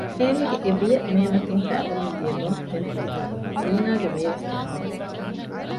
އޭނަގެ އެބިޔަ މޭމަތިން ފައިބަމުން ދިޔަ ލޮނު ފެންތިކިތައް ޒީނާގެ މޭވެސް ތެއްމާލިކަހަލު